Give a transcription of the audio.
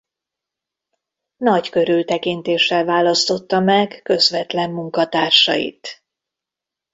Nagy körültekintéssel választotta meg közvetlen munkatársait.